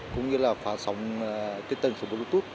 cũng như là phá sóng trên tầng số bluetooth